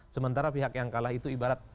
sementara pihak yang kalah itu ibarat